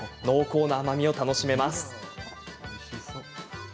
濃厚な甘みを楽しめます。